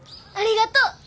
ありがとう！